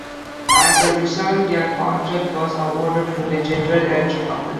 As a result, a contract was awarded to the General Electric Company.